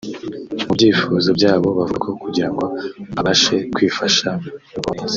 mu byifuzo byabo bavuga ko kugira ngo abashe kwifasha no kubaho neza